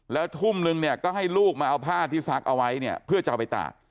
แล้วทุ่มนึงเนี่ยก็ให้ลูกมาเอาผ้าที่ซักเอาไว้เนี่ยเพื่อจะเอาไปตาก